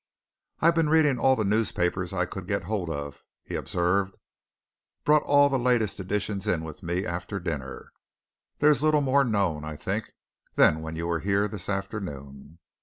"I've been reading all the newspapers I could get hold of," he observed. "Brought all the latest editions in with me after dinner. There's little more known, I think, than when you were here this afternoon."